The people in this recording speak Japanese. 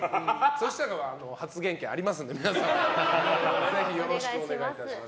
そうしたら発言権、ありますので皆さんぜひよろしくお願いします。